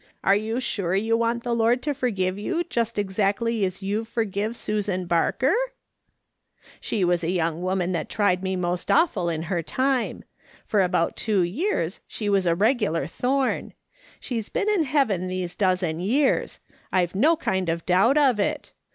Are you sure you want the Lord to forgive you just exactly as you've forgive Susan Barker ?'" She was a young woman that tried me most awful in her time ; for about two years she was a regular thorn. She's been in heaven these dozen years ; I've no kind of doubt of it.